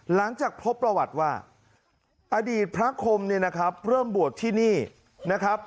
หลังจากพบประวัติว่าอดีตพระคมเนี่ยนะครับเริ่มบวชที่นี่นะครับ